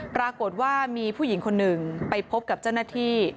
ปรากฏว่ามีผู้หญิงคนหนึ่งไปพบกับเจ้าหน้าที่